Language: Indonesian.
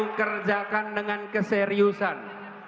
mengerjakan dengan keseriusan